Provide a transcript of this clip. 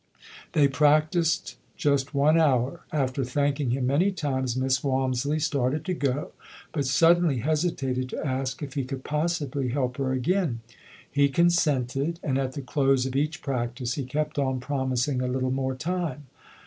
They practiced just one hour. After thanking him many times, Miss Walmisley started to go, but suddenly hesitated to ask if he could possibly help her again. He consented, and at the close of each practice he kept on promising a little more time.